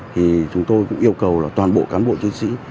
thì chúng tôi cũng yêu cầu là toàn bộ cán bộ chiến sĩ